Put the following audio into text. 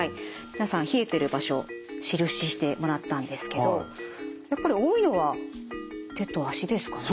皆さん冷えてる場所印してもらったんですけどやっぱり多いのは手と足ですかね。